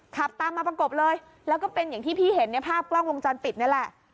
ขับตามมาประกบเลยแล้วก็เป็นอย่างที่พี่เห็นในภาพกล้องวงจรปิดนี่แหละ